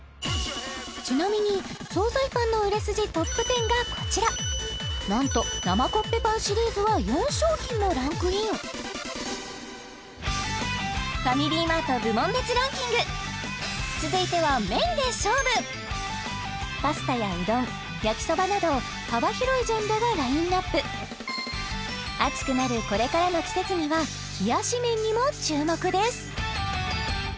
ちなみに惣菜パンの売れ筋トップ１０がこちら何と生コッペパンシリーズは４商品もランクインファミリーマート部門別ランキング続いては麺で勝負パスタやうどん焼きそばなど幅広いジャンルがラインナップ暑くなるこれからの季節には冷やし麺にも注目です